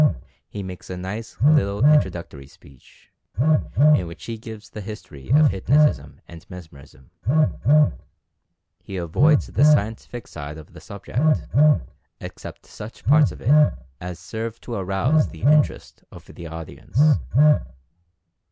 He makes a nice little introductory speech, in which he gives the history of hypnotism and mesmerism. He avoids the scientific side of the subject, except such parts of it as serve to arouse the interest of the audience.